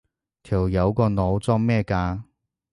條友個腦裝咩㗎？